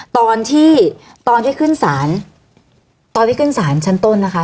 ตอนที่ตอนที่ขึ้นศาลตอนที่ขึ้นศาลชั้นต้นนะคะ